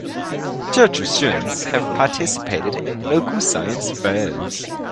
Churchill students have participated in local science fairs.